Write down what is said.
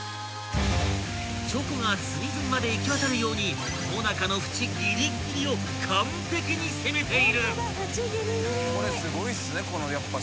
［チョコが隅々まで行き渡るようにモナカのふちギリッギリを完璧に攻めている］